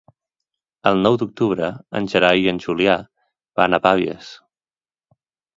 El nou d'octubre en Gerai i en Julià van a Pavies.